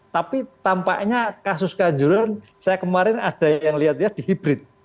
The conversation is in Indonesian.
tapi tampaknya kasus kehancuran saya kemarin ada yang lihatnya di hibrit